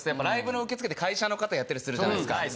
ライブの受付って会社の方やったりするじゃないですか。